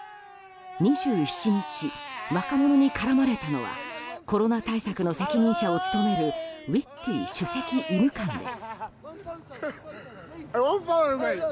２７日、若者に絡まれたのはコロナ対策の責任者を務めるウィッティ主席医務官です。